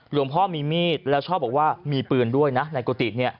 หลวงพ่อมีมีดแล้วชอบบอกว่ามีปืนด้วยนะในกุฏิ